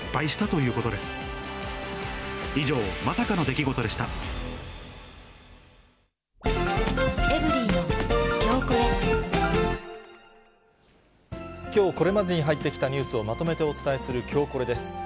きょうこれまでに入ってきたニュースをまとめてお伝えする、きょうコレです。